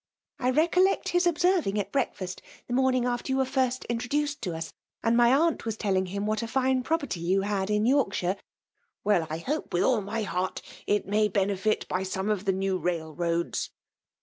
I reobllect his observing at breakfast, the moming^aftlet you were first introduced to us, and my atint was telling him what a fine property yotl had in Yorkshire, ' Well, I hope, with all *rfy heart, it may benefit by some of the n€W railroads.